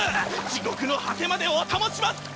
地獄の果てまでお供します！